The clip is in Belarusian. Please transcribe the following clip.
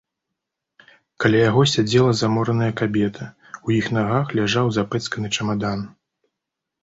Каля яго сядзела замораная кабета, у іх нагах ляжаў запэцканы чамадан.